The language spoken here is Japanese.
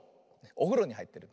おふろにはいってる。